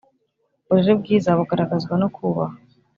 Uburere bwiza bugaragazwa no kubaha.